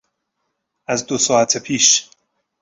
از دو ساعت پیش